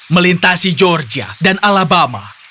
melintasi georgia dan alabama